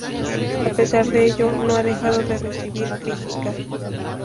A pesar de ello, no ha dejado de recibir crítica.